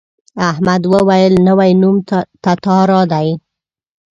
احمد وویل نوی نوم تتارا دی.